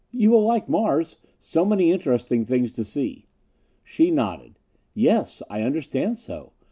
"You will like Mars so many interesting things to see." She nodded. "Yes, I understand so.